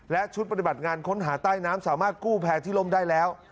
และชุดปฏิบัติงานค้นหาใต้น้ำสามารถกู้แพร่ที่ล่มได้แล้ว